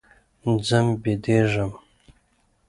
ځم بيدېږم.